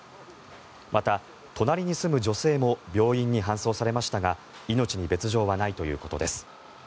また隣に住む女性も病院に搬送されましたが命に別条はないということです。